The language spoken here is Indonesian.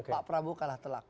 pak prabowo kalah telak